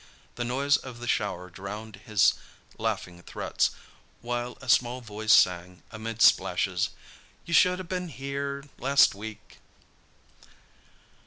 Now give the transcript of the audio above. The noise of the shower drowned his laughing threats, while a small voice sang, amid splashes, "You should have been here last week!"